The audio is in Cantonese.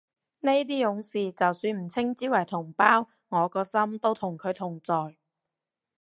呢啲勇士就算唔稱之為同胞，我個心都同佢同在